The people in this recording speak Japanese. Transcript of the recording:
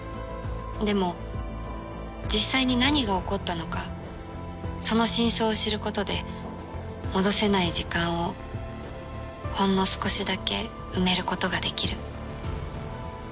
でも実際に何が起こったのかその真相を知る事で戻せない時間をほんの少しだけ埋める事ができる。